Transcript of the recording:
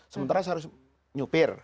sementara saya harus nyupir